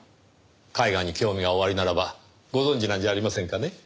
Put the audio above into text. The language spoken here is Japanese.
絵画に興味がおありならばご存じなんじゃありませんかね？